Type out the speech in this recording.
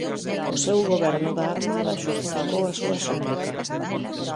O seu goberno da Armada xustificou a súa súplica.